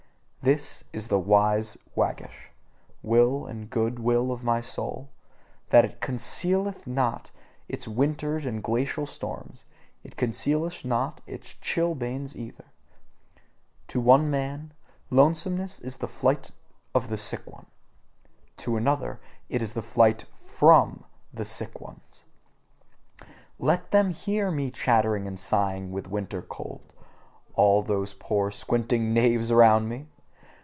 This is the wise waggish will and good will of my soul, that it CONCEALETH NOT its winters and glacial storms; it concealeth not its chilblains either. To one man, lonesomeness is the flight of the sick one; to another, it is the flight FROM the sick ones. Let them HEAR me chattering and sighing with winter cold, all those poor squinting knaves around me!